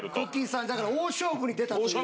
さんだから大勝負に出たという。